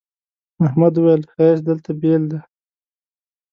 احمد وويل: ښایست دلته بېل دی.